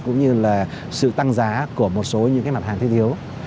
cũng như là sự tăng giá của một số những mặt hàng thiếu thiếu